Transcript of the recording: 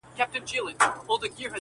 • دا دي كور دى دا دي اور -